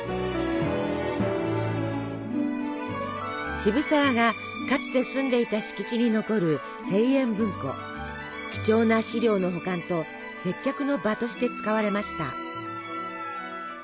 渋沢がかつて住んでいた敷地に残る貴重な資料の保管と接客の場として使われました。